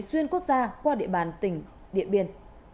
xuyên quốc gia qua địa bàn tỉnh điện biên